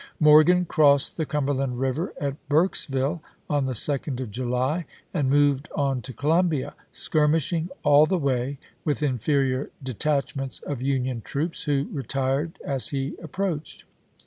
Morgan crossed the Cum berland River at Burkesville on the 2d of July, isea. and moved on to Columbia, skirmishing all the way with inferior detachments of Union troops, who retired as he approached.